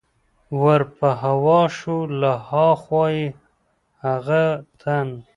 ور په هوا شو، له ها خوا یې هغه تن.